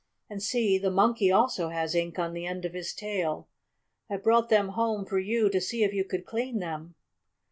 "And see, the Monkey also has ink on the end of his tail. I brought them home to you, to see if you could clean them."